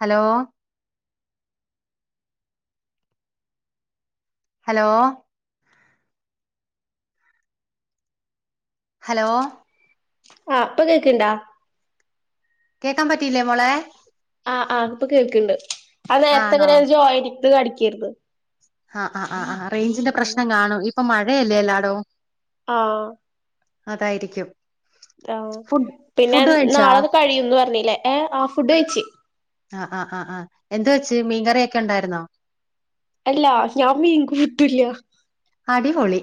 Hello hello hello ആഹ് ഇപ്പൊ കേക്ക്ണ്ടാ കേക്കാൻ പറ്റിയില്ലേ മോളെ ആഹ് ആ ഇപ്പോ കേൾക്കണ്ട് അഹ് ആണോ നേരത്തെങ്ങനെ ജോയിനിങ് കണിക്കരുന്നു ആഹ് ആഹ് ആഹ് ആഹ് റേഞ്ചിന്റെ പ്രശ്നം കാണും ഇപ്പൊ മഴയല്ലേ എല്ലാടോ ആഹ് അതായിരിക്കും ആഹു ഫുഡ് പിന്നെ ഫുഡ് കഴിച്ചാ നാളെത് കഴിയുംന്ന് പറഞ്ഞീലെ ഏ ആ ഫുഡ് കഴിച്ചി ആഹ് ആഹ് ആഹ് ആഹ് എന്ത് വെച്ച് മീൻകറിയൊക്കെ ഉണ്ടായിരുന്നോ അല്ലാ ഞാൻ മീൻ കൂട്ടുല്ല അടിപൊളി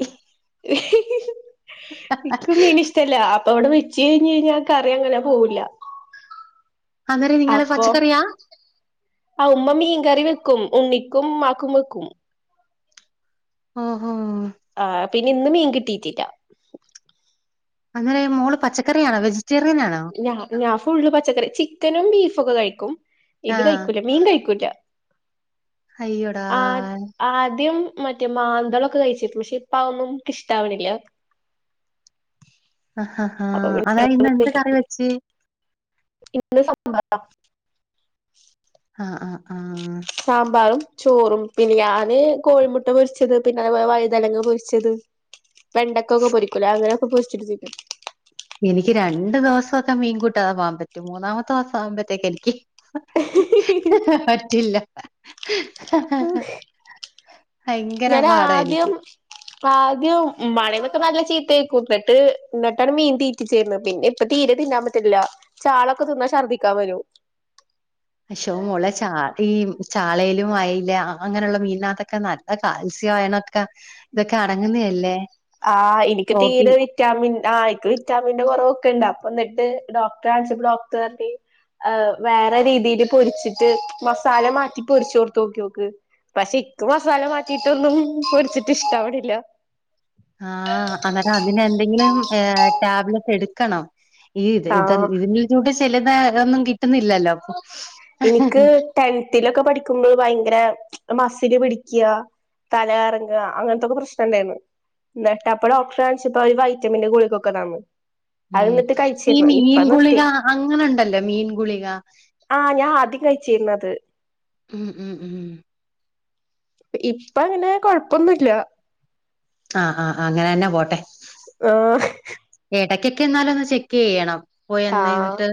ഇക്ക് മീനിഷ ഷ്ടല്ല അപ്പൊ ഇവടെ വെച്ച് കഴിഞ്ഞഴിഞ്ഞാൽ കറി അങ്ങനെ പോകില്ല അന്നേരം നിങ്ങള് അപ്പൊ പച്ചക്കറിയാ ആ ഉമ്മ മീൻകറി വെക്കും ഉണ്ണിക്കും മാക്കും വെക്കും ഓഹോ ആഹ് പിന്നെ ഇന്ന് മീൻ കിട്ടിയിട്ടില്ല അങ്ങനെ മോള് പച്ചക്കറിയാണൊ വെജിറ്റേറിയൻ ആണോ ഞ ഞാൻ ഫുള്ള് പച്ചക്കറി ചിക്കനും ബീഫ് ഒക്കെ കഴിക്കും ആ ഇത് കഴിക്കൂല മീൻ കഴിക്കൂല അയ്യോടാ ആഹ് ആദ്യം മറ്റേ മാന്തളൊക്കെ കഴിച്ചിനി പക്ഷെ ഇപ്പ അതൊന്നും ഇൻക്ക് ഇഷ്ടവണില്ല അഹ ഹാ അപ്പൊ പിന്നെ അതായ ഇന്ന് എന്ത് കറി വെച്ച് ഇന്ന് സമ്പാറ ആഹ് ആഹ് ആഹ് സാമ്പാറും ചോറും പിന്നെ ഞാന് കോഴിമുട്ട പൊരിച്ചത് പിന്നെ അതേപോലെ വഴുതനങ്ങ പൊരിച്ചത് വെണ്ടക്കൊക്കെ പൊരിക്കൊല്ലോ അങ്ങനൊക്കെ പൊരിച്ചിട്ട് തി എനിക്ക് രണ്ടു ദൊവസൊക്കെ മീൻകൂട്ടാതെ പോകാൻ പറ്റും മൂന്നാമത്തെ ദൊവസാവുമ്പത്തേക്കെനിക്ക് പറ്റില്ല ഭയങ്കര ഞാൻ പാടാ എനിക്ക് ആദ്യം ആദ്യം മ്മാടേന്നൊക്കെ നല്ല ചീത്തേക്കും ന്നട്ട് ന്നട്ടാണ് മീന് തീ റ്റിച്ചിരുന്നെ പിന്നെ ഇപ്പ തീരെ തിന്നാൻ പറ്റൺല്ല ചാളൊക്കെ തിന്നാ ശർദിക്കാംവരും പക്ഷേ മോളെ ചാളിം ചാളയിലും അയ്ല അങ്ങനെള്ള മീന്നകത്തൊക്കെ ന ല്ല കാൽസ്യം അയണൊക്കെ ഇതൊക്കെ അടങ്ങ്ന്നേ അല്ലേ ആഹ് എനിക്ക് തീരെവി റ്റാമിൻ ആ ഇക്ക് വിറ്റാമിന്റെ കൊറവൊക്കെണ്ട് അപ്പന്നിട്ട് ഡോക്ടറെ കാണിച്ചപ്പോ ഡോക്ടർ പർഞ്ഞ് അഹ് വേറെ രീതിയില് പൊരിച്ചിട്ട് മസാല മാറ്റി പൊര്ച്ചോട്ത്തോക്ക്യോക്ക് പക്ഷെ ഇക്ക് മസാല മാറ്റിയിട്ടൊന്നും പൊരിച്ചിട്ട് ഇഷ്ടാവിണില്ല ആഹ് അന്നേരം അതിനെന്തെങ്കിലും ടാബ്ലറ്റ് എടുക്കണം ഇ ഇത് ഇത ആഹ് ഇതിൽ കൂടെ ചെല്ലുന്ന ഒന്നും കിട്ടുന്നില്ലല്ലോപ്പൊ ട്ടെൻത്തിലൊക്കെ പഠിക്കുമ്പോൾ ഭയങ്കര മസില് പിടിക്ക്യാ തലകറങ്ങ അങ്ങൻത്തൊക്കെ പ്രശ്നണ്ടേര്ന്നു ഇന്നട്ടപ്പ അപ്പ ടോക്‌ട്രറ കാണിച്ചപ്പം ഓര് വൈറ്റമിന്റെ ഗുളികൊക്കെ തന്ന് അത് ഉം എന്നിട്ട് ഈ കഴിച്ചിരുന്നു ഇപ്പ മീൻ ഗുളിക നിർത്തി അങ്ങനെണ്ടല്ലോ മീൻ ഗുളിക ആഹ് ഞാ ആദ്യം കഴിച്ചീര്ന്നത്. ഉം ഉം ഊം. ഇപ്പങ്ങനെ കൊഴ്പ്പൊന്നുല്ലാ ആഹ് ആഹ് അഹ് അങ്ങനന്നെ പോട്ടെ. ആഹ്. എടക്കൊക്കെ എന്നാലും ഒന്ന് ചെക്ക്യ്യണം പോയി ആഹ് എന്നെയ്ന്നിട്ട്.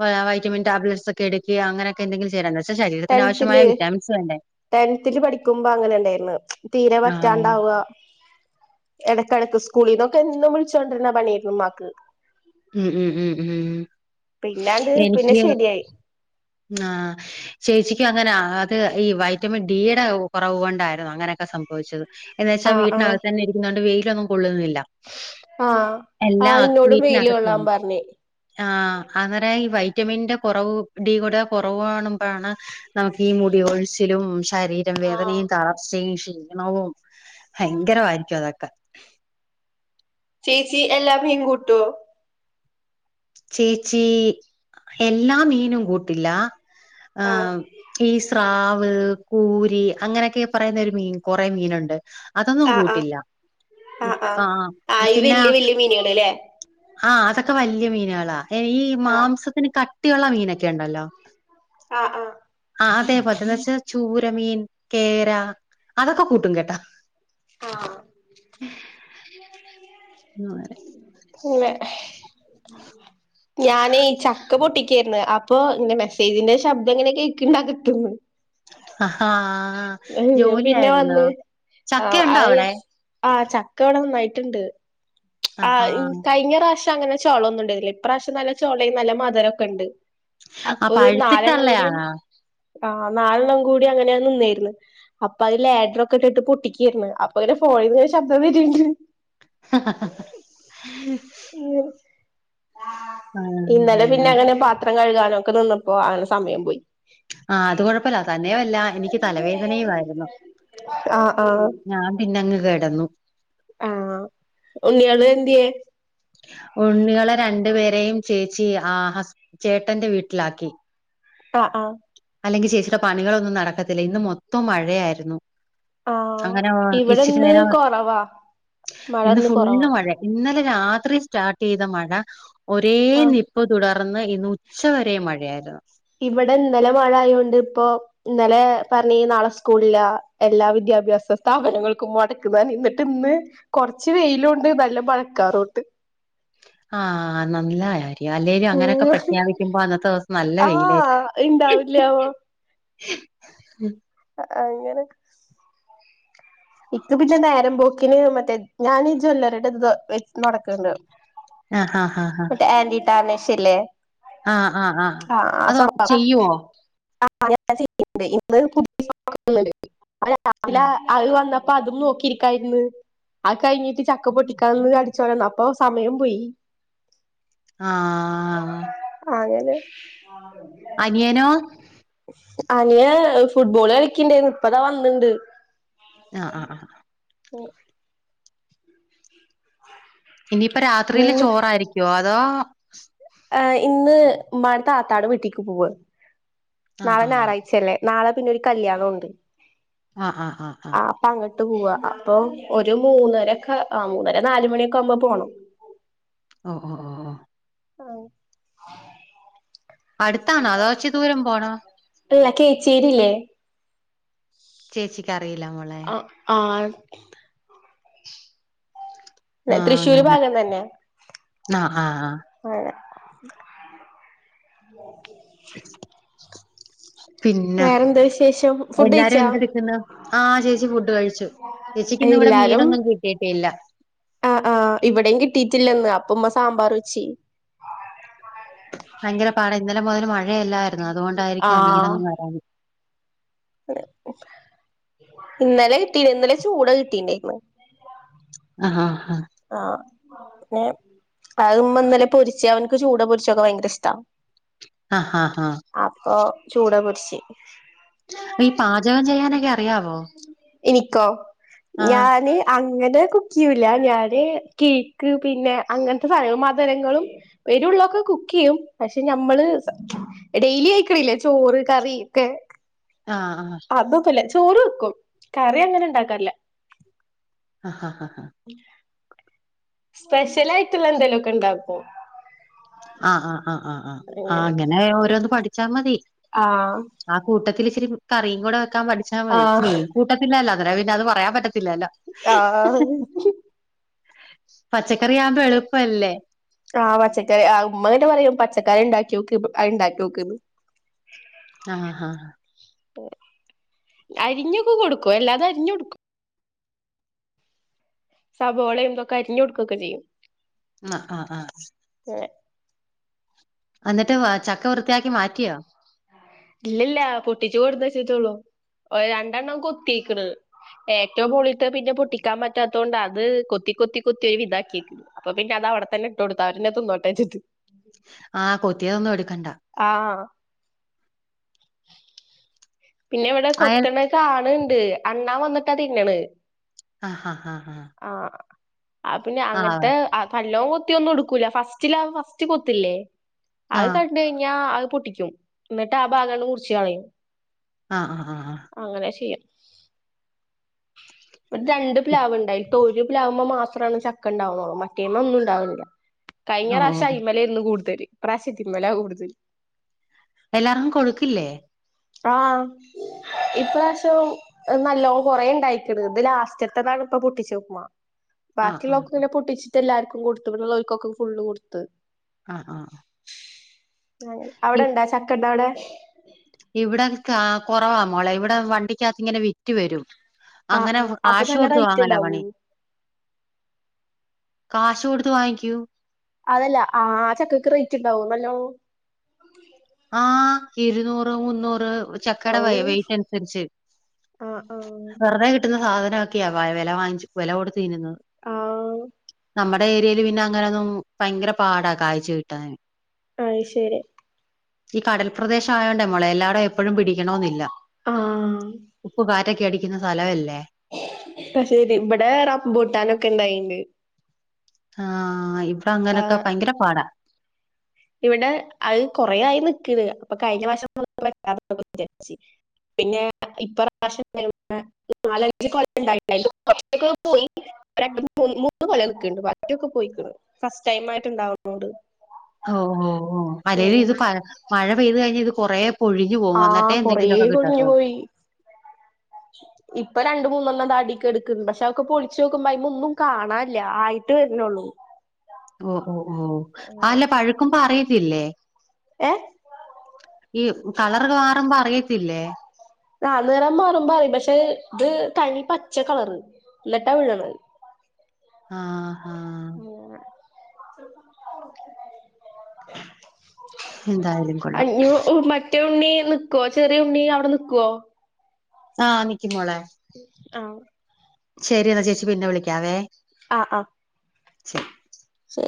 വ വൈറ്റമിൻ ടാബ്ലറ്റ്സൊക്കെ എടുക്കേ അങ്ങനൊക്കെ എന്തെങ്കിലും ചെ [unintelligible] രത്തിനാവശ്യമായ വിറ്റാമിൻസ് വേണ്ടെ. ട്ടെൻത്തില് പഠിക്കുമ്പോ അങ്ങനെണ്ടെയ്ര്ന്ന് തീരെ ആഹ് പറ്റാണ്ടാവ്ആ. എടക്കെടക്ക് സ്കൂളീന്നൊക്കെ എന്നും വിളിച്ചൊണ്ട്ര്ന്ന പണീര്ന്നു ഉമ്മാക്ക് ഉം ഉം ഉം ഊം പിന്നാണ്ട് പിന്നെ ശെര്യായി. ആഹ്. ചേച്ചിക്ക് അങ്ങന അത് ഈ വൈറ്റമിൻ ഡിയിടെ കൊറവ് കൊണ്ടായിരുന്നു അങ്ങനൊക്കെ സംഭവിച്ചത്. എന്ന് വെച്ചാ ആഹ് ആഹ് വീട്ടിനകത്തന്നെ ഇരിക്കുന്നൊണ്ട് വെയിലൊന്നും കൊള്ളുന്നില്ല. ആഹ് എല്ലാം ആഹ് ഇന്നോടും വെയില് കൊള്ളാൻ അക്നീറ്റിനകത്ത്തന്നെ. പറഞ്ഞ് ആഹ് അന്നേരം ഈ വൈറ്റമിന്റെ കൊറവു ഡി കൂടെ കൊറവാണുമ്പഴാണ് നമുക്കീ മുടി കൊഴിച്ചിലും ശരീരം ആഹ് വേദനയും തളർ ച്ചയും ക്ഷീണവും ഭയങ്കര വായിരിക്കും അതൊക്കെ. ചേച്ചി എല്ലാം മീൻ കൂട്ടോ? ചേച്ചീ എല്ലാ മീനും കൂട്ടില്ലാ ആഹ് ഏമ് ഈ സ്രാവ് കൂരി അങ്ങനെയൊക്കെയേ പറയുന്ന ഒരു മീൻ കൊറെ മീനുണ്ട്. അതൊന്നും ആഹ് ആഹ് കൂട്ടില്ലാ ആഹ് ഈ പിന്നെ വല്യ വല്യ മീനുകളല്ലേ ആഹ് അതൊക്കെ വല്യ മീന്കളാ ഈഹ് ആഹ് മാംസത്തിന് കട്ടിയുള്ള മീനൊക്കെയിണ്ടല്ലോ. ആഹ് ആഹ്. ആഹ് അതേ പോൽത്തെ ന്ന്‌ വെച്ചാ ചൂരമീൻ കേരാ അതൊക്കെ കൂട്ടും കേട്ടാ. ആഹ്. [unintelligible] ഉവ്വേ, ഞാനീ ഈ ചക്ക പൊട്ടിക്കേര്ന്ന് അ പ്പോ ങ്ങനെ മെസ്സേജിന്റെ ശബ്ദംങ്ങനേ കേക്കിണ്ട് അകത്ത്ന്ന്. ഹ ഹാ ഞാൻ പിന്നെ ജോലിയായിരുന്നോ വന്ന് ആഹ് ചക്കയുണ്ടോ അത് അവടെ? ആഹ് ചക്കവടെ നന്നായിട്ട്ണ്ട്, ആഹാ ആഹ് കയ്ഞ്ഞറാശങ്ങനെ ചോളന്നുംണ്ടാര്ന്നില്ല ഇപ്രാവശ്യം നല്ല ചോളേം നല്ല മധുരക്കണ്ട്. ആ അപ്പൊ ഒരു ന്നാലെണ്ണം കൂടിം പഴുത്തിട്ടുള്ളയാണോ ആഹ് ന്നാലെണ്ണം കൂടി അങ്ങനെ നിന്നേര്ന്നു. അപ്പൊ അത് ലാഡ്റ് ഒക്കെ ഇട്ട്ട്ട് പൊട്ടിക്കേര്ന്ന് അപ്പൊ അങ്ങനെ ഫോണിൽന്ന് ശബ്‌ദം വര്ണ്ട് ഹ ഹ ഹ ഉം, ആ ഇന്നലെ പിന്നെ അങ്ങനെ പർ ത്രം കഴുകാനൊ ഒക്കെ ന്ന്ന്നപ്പോ അങ്ങെനേ സമയം പോയി. ആഹ് അത് കൊഴപ്പല്ല തന്നെയൊല്ലാ എനിക്ക് തലവേദനയും ആയിരുന്നു. ആഹ് ആഹ്. പിന്നങ്ങ് കേടന്നു. ആഹ് ഉണ്ണിയാള് എന്ത്യേ? ഉണ്ണിയാളെ രണ്ടു പെരേയും ചേച്ചി ആ ഹസ് ചേട്ടന്റെ വീട്ടിലാക്കി. ആഹ് ആഹ്. അല്ലെങ്കി ചേച്ചിടെ പണികളൊന്നും നടക്കത്തില്ല ഇന്ന് മൊത്തം മഴയായിരുന്നു. ആഹ് അങ്ങനെ ഇച്ചിരി ഇവിടെന്ന് നേരം. കൊറവാ മഴ ഇന്ന് ഫുള്ള് കൊറവാ മഴയാ. ഇന്നലെ രാത്രി സ്റ്റാർട്ട് ചെയ്ത മഴ ഒരേ ആഹ് നിപ് പ് തുടർന്ന് ഇന്ന് ഉച്ച വരെ മഴയായിരുന്നു. ഇവിടെ ഇന്നലെ മഴ ആയോണ്ട് ഇപ്പോ ഇന്നലെ പറഞ്ഞീന് നാളെ സ്കൂളില്ലാ എല്ലാ വിദ്യാഭ്യാസ സ്ഥാപനങ്ങൾക്കും മൊടക്ക്ന്ന് പറഞ്ഞ്, എന്നിട്ട് ഇന്ന് കൊറച്ച് വെയിലൂണ്ട് നല്ല മഴക്കാറൂണ്ട്. ആഹ് നല്ല കാര്യം. അല്ലേലു അങ്ങനെയൊക്കെ പ്രഖ്യാപിക്കുമ്പോ അന്നത്തെ ദിവസം നല്ല വെയിലായിരിക്കും. ആഹ് ഇണ്ടാവില്ല [inaudible] അഹ് അങ്ങനെയൊക്കെ ഇക്ക് പിന്നെ നേരം പോക്കിന് മറ്റേ ഞാനീ ജ്വല്ലറീടെ ഇത് നടക്കണ് ണ്ട്. ആഹ് ആഹ് ആഹ് മറ്റെ ആന്റി ടാർണിഷ് ഇല്ലേ? ആഹ് ആഹ് ആഹ് അതോ ചെയ്യുവോ? ആഹ് ഞാൻ ചെയ്യണ് ണ്ട്. ഇന്ന് പുതിയ [unintelligible] കിട്ടി. രാവിലെ ആഹ് അത് വന്നപ് പ്പോ അതും നോക്കിയിരിക്കാര്ന്ന്. അത് കഴിഞ്ഞിട്ട് ചക്ക പൊട്ടിക്കാ നിന്ന് അടിച്ച് വാരാന്ന് അപ്പൊ സമയം പോയി. ആഹ്. [unintelligible] ണ്ടാലോ? അങ്ങനെ. ആഹ് അനിയനോ? അനിയൻ ഫുട്ബോള് കളിക്ക്‌ണ്ടേനു. ഇപ്പതാ വന്നിണ്ട്. ആഹ് ആഹ് ആഹ്. ഉം. ഇനിയിപ്പ രാത്രിയില് ഇന്ന് ചോറായിരിക്കോ അതോ? ഈഹ് ഇന്ന് ഉമ്മാടെ താത്താടെ വീട്ടിക്ക് പോവാ. ആഹ് നാളെ ആഹ് ഞായറാഴ്ചയല്ലേ. നാളെ പിന്നൊരു കല്ല്യാണോണ്ട്. ആഹ് ആഹ് ആഹ് ആഹ്. അങ്ങട്ട് പോവ്വാ. അപ്പൊ ഒരു മൂന്നര ഒക്കെ ആഹ് മൂന്നര നാലുമണിയൊക്കെ ആവുമ്പോ പോണം. ഓഹ് ഓഹ് ഓഹ് ഓഹ്. ആഹ്. അടുത്താണോ അതോ ഇച്ചിരി ദൂരം പോണോ? അല്ല കേച്ചേരില്ലേ? ചേച്ചിക്കറിയില്ല മോളെ. ആഹ് ആഹ്. ആഹ് തൃശ്ശൂര് അങ്ങനെ ഭാഗം തന്നെയാ. ആഹ് ആഹ് ആഹ് അങ്ങനെ. ഓക്കെ പിന്നെ? വിശേഷം ഫുഡ് എല്ലാരും കഴിച്ചാ എന്തെടുക്കുന്നു? ആഹ് ചേച്ചി ഫുഡ്ഡ് കഴിച്ചു. ചേച്ചിക്ക്ന്ന് ഇവിടെ മീനൊന്നും കിട് കേട്ടില്ല. അഹ് ആഹ് ഇവിടെയും കിട്ടീട്ടില്ലിന്ന്. അപ്പ ഉമ്മ സാമ്പാറ് വെച്ച്. ഭയങ്കര പാടാ. ഇന്നലെ മുതൽ മഴയല്ലായിരുന്നോ. അതുകൊണ്ടായിരിക്കാം ആഹ് മീനൊന്നും വരാഞ്ഞേ. ഇന്നലെ കിട്ടീന് ഇന്നലെ ചൂട കിട്ടീണ്ടായിന്ന്. അഹ് ആഹ് ആഹ്. ആഹ് പിന്നെ അത് ഇമ്മ ഇന്നലെ പൊരിച്ച്. അവൻക്ക് ചൂട പൊരിച്ചതൊക്കെ ഭയങ്കര ഇഷ്ടാ. ഹ ആഹ് ആഹ് അപ്പൊ ചൂട പൊരിച്ച് ഈ പാചകം ചെയ്യാനൊക്കെ അറിയാവോ എനിക്കോ ആഹ് ഞാന് അങ്ങനെ കുക്കിയൂല്ല ഞാൻ അ കേക്ക് പിന്നെ അങ്ങനത്തെ സധനങ്ങളും മധുരങ്ങളും എരുള്ളൊക്കെ കുക്ക് ചെയ്യും പക്ഷെ ഞമ്മള് ഡെയിലി ആയിക്കണില്ലേ ചോറ് കറി ഒക്കെ ആ ആ അതപ്പല്ല ചോറ് വെക്കും കറി അങ്ങനെ ഉണ്ടാക്കാറില്ല ആ ഹാ ഹാ ഹാ സ്പെഷ്യൽ ആയിട്ടുള്ള എന്തെങ്കലുമ ഒക്കെ ഉണ്ടാക്കു ആഹ ആ് ആ് ആ് ആ് ആ് അങ്ങനെ ഓരോന്ന് പഠിച്ചാ മതി ആഹ ആ കൂട്ടത്തില ഇച്ചിരി കറിയും കൂടെ വെക്കാൻ പഠിച്ചാൽ മതി ആഹ് മീൻ കൂട്ടത്തില്ലല്ലോ അത്ര പിന്നെ അത് പറയാൻ പറ്റ തിലല്ലോ ആഹ് പച്ചക്കറ ആവുമ്പോ എളുപ്പല്ലേ ആഹ് പച്ചക്കറി ആ ഉമ്മങ്ങനെ പറയാ പച്ചക്കറി ഉണ്ടാക്കിക്ക അ ഉണ്ടാക്കി വെക്കുന്നു ആഹ ആഹ് അരിഞ്ഞൊക്ക കൊടുക്കും എല്ലാതും അരിഞ്ഞ കൊടുക്കും സബോള എന്തൊക്കെ അരിഞ്ഞഞ് കൊടുക്കുകയക്കെ ചെയ്യും ആ ആ് ആഹ [unintelligible] എന്നിട്ട് വ ചക്ക വൃത്തിയാക്കി മാറ്റിയോ ഇല്ലല്ല പൊട്ടിച്ചു കൊടുത്തച്ചേട്ടുള്ളൂ രണ്ടെണ്ണം കൊത്തിക്ണ് ഏറ്റവും മോളിത്ത് പിന്നെ പൊട്ടിക്കാൻ പറ്റാത്തത് കൊണ്ട് അത് കൊത്തി കൊത്തി കൊത്തി ഒരു വിതാക്കിയിണ്ട് അപ്പൊ പിന്നെ അവിടെ തന്നെ ഇട്ട് കേടുത്തു അവർ തന്റെ തിനേട്ടേ വച്ചിട്ട് ആ കൊത്തിയതൊന്നും എടുക്കണ്ട ആഹ പിന്നെ ഇവിടെ അയൽ കൊത്തണ്ണ കാണണ്ട് അണ്ണാ വന്നിട്ട് തിന്നത് ആ ഹാ ആാ ആാ ആഹ ആ പിന്നെ അങ്ങനത്തെ നലോം കൊത്തിയ ഒന്നും എടുക്കൂല ഫസ്റ്റില ഫസ്റ്റ് കൊത്തില്ലേ അത് ആഹ് കണ്ട കഴിഞ്ഞാ അത് പൊട്ടിക്കും എന്നിട്ട് ആ ഭാഗങ്ങള മുറിച്ച് കളയും ആഹ ആ ആ അങ്ങനെ ചെയ്യും രണ്ട് പ്ലാവ് ഉണ്ടായി ഒരു പ്ലാവില് മാസം ചക്കണ്ട മറ്റേമേ ഒന്നും ഉണ്ടാവില്ല കഴഞ്ഞാ ഓഹ് പ്രശ്യം ഓഹ് അയ്മ മലന്ന് കൂടുതല് ഇപ്രാശ്യത്തിമല കൂടുതൽ എല്ലാർക്കും കൊഴുക്കില്ലേ ആഹ് ഇപ്രാശം നല്ലോണം കൊറേ ഉണ്ടായിക്കന് ഇത് ലാസ്റ്റത്തെതാണ് ഇപ്പൊ പൊട്ടിച്ച ഉമ്മ ആഹ് ആഹ് ബാക്കിയുള്ളക്കും ഇങ്ങനെ പൊട്ടിച്ചിട്ട് എല്ലാർക്കും കൊടുത്ത് ഇവിടെക്കൊക്കും ഫുള്ള് കൊടുത്തത്ത് ആ് ആ അ അവിടെ ഇണ്ടാ ചക്ക അവിടെ ഇവിടെ കാ കുറവാമോളെ ഇവിടെ വണ്ടിക്കകത്ത് ഇങ്ങനെ വിറ്റ് വരും ആഹ് അങ്ങനെ ആഹ് അപ്പൊ കാശ് നല്ല കൊടുത്ത റേറ്റ് വാങ്ങല ഇണ്ടാവോ പാണി കാശ് കൊടുത്ത് വാങ്ങിക്കൂ അതല്ല ആ ചക്കക്ക് റേറ്റ് ഉണ്ടാവും നല്ലോ ആഹ് ഇരുന്നൂറ് മുന്നൂറ് ചക്കടെ ഔ വൈ വെയ്റ്റ് അനുസരിച്ച് ആഹ് ആഹ് വെറുതെ കി ട്ടുന്ന സാധനക്കെയാ വില വാങ്ങിച്ച് വില കൊടുന്ന് തിന്നുന്ന് ആഹ് നമ്മുടെ ഏരിയയിൽ പിന്നെ അങ്ങനൊന്നും ഭയങ്കര പാടാ കാഴ്ച കിട്ടാൻ അയ്ശെരി ഈ കടൽപ്രദേശായോണ്ടേ മോളെ എല്ലായിടും എപ്പഴും പിടിക്കണോന്നില്ല ആഹ് ഉപ്പുക റ്റൊക്കെ അടിക്കുന്ന സ്ഥലമല്ലേ കാ ശരി ഇവിടെ റബൂട്ടാനൊക്കെ ഇണ്ടായിണ്ട് ആഹ് ഇവിടെ അങ്ങനെയൊക്കെ ആഹ് ഭയങ്കര പാടാ ഇവിടെ അത് കൊറ ആയി നിക്ക്‌ണ് അപ്പൊ കഴിഞ്ഞ മാസ [unintelligible] പിന്നെ ഇപ്രാവശ്യം [unintelligible] നാലഞ്ചു കൊലണ്ടായിട്ട്ണ്ടായി കുറച്ചൊക്കെ പോയി ഒ മൂന്ന് കൊലനിക്കണ്ട് ബാക്കിയോക്കെ പോയിക്ക്‌ണ് ഫസ്റ്റ് ടൈം ആയിട്ട്ണ്ടാവുന്നോട്ട് ഓ ഓ ഓ പ മഴ പെയ്തു കഴിഞ്ഞ ഇത് കൊറ പൊഴി ഞ്ഞു പോകുന്നാട്ടെ ആഹ് കൊറേ എന്തങ്കിലുമക്കെ കൊഴിഞ്ഞു കിട്ടത്തുള്ളൂ പോയി ഇപ്പൊ രണ്ട മൂന്നെണ്ണം ത അടിക്ക് കെടക്കുന്നുണ്ട് പക്ഷെ പൊളിച്ച് നോക്കുമ്പോ അതിമെ ഒന്നും കാണാന്ല്ല്യ ആയി ട്ട് വരുണൊള്ളൂ ഓ ഓ ഓ അല്ല പഴുക്കുമ്പ അറിയത്തില്ലേ ഏഹ് ഈ കളർ മാറുമ്പോ അറിയത്തില്ലേ ആഹാ നിറം മാറുമ്പോ അറീം പക്ഷെ ഇത് തനി പച്ച കളറ് ന്നട്ട വിയ്യ്ണാത് ആഹ് ആ എന്തായാലും [unintelligible] കൊള്ളാം. അയ്യോ മറ്റേ ഉണ്ണി നിക്കുവോ ചെറിയ ഉണ്ണി അവിടെ നിക്കുവോ ആഹ നിക്കും ‌മോളെ ആഹ് ശരി എന്നാ ചേച്ചി പിന്നെ വിളിക്കാവേ ആഹ് ആഹ് ശരി ശരി